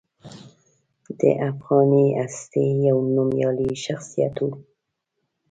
د افغاني هستې یو نومیالی شخصیت و.